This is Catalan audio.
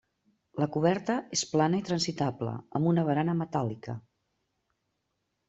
La coberta es plana i transitable, amb una barana metàl·lica.